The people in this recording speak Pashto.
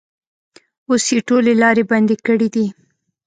اوس یې ټولې لارې بندې کړې دي.